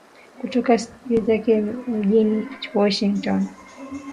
kutoka studio zake mjini Washington